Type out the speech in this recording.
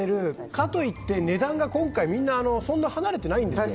かといって値段が今回そんな離れてないんですよ